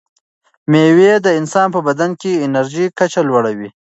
مېوې د انسان په بدن کې د انرژۍ کچه لوړوي.